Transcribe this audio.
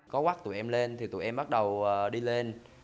có quắt tụi em lên thì tụi em bắt đầu đi lên